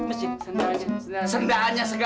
iya bentar cak